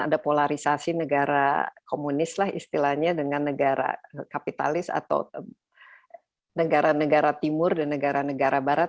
ada polarisasi negara komunis lah istilahnya dengan negara kapitalis atau negara negara timur dan negara negara barat